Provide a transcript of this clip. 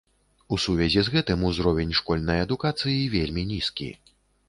У сувязі з гэтым узровень школьнай адукацыі вельмі нізкі.